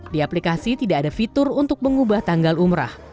di aplikasi tidak ada fitur untuk mengubah tanggal umrah